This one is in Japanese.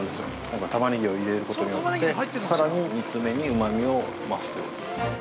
今回タマネギを入れることによって、さらに煮詰めに、うまみを増すという。